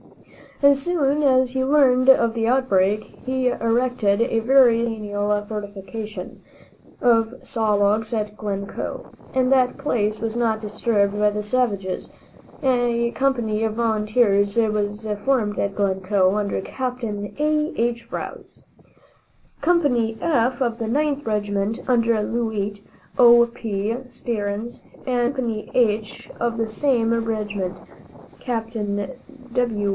As soon as he learned of the outbreak he erected a very substantial fortification of saw logs at Glencoe, and that place was not disturbed by the savages. A company of volunteers was formed at Glencoe, under Capt. A. H. Rouse. Company "F" of the Ninth Regiment, under Lieut. O. P. Stearns, and Company "H" of the same regiment (Capt. W.